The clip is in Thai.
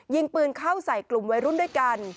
ยิงปืนเข้าใส่กลุ่มวัยรุ่นด้วยกัน